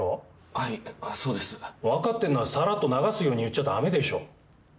はいそうです。分かってんならさらっと流すように言っちゃ駄目でしょ。